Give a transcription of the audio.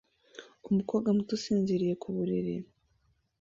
Umukobwa muto usinziriye ku buriri